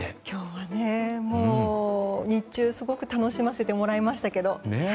今日は、日中すごく楽しませてもらいました。